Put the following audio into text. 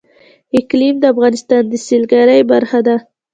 اقلیم د افغانستان د سیلګرۍ برخه ده.